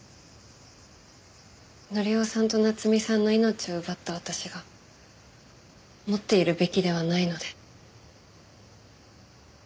紀夫さんと夏美さんの命を奪った私が持っているべきではないので。